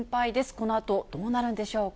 このあと、どうなるんでしょうか。